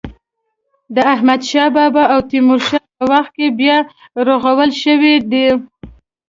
د احمد شا بابا او تیمور شاه په وخت کې بیا رغول شوې ده.